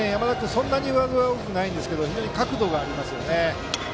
そんなに上背は大きくないですが非常に角度がありますよね。